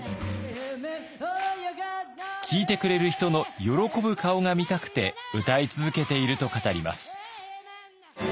聴いてくれる人の喜ぶ顔が見たくて歌い続けていると語ります。